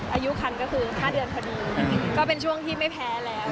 อายุคันก็คือ๕เดือนพอดีก็เป็นช่วงที่ไม่แพ้แล้ว